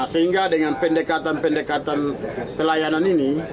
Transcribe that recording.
sehingga dengan pendekatan pendekatan pelayanan ini